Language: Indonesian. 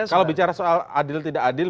kalau bicara soal adil tidak adil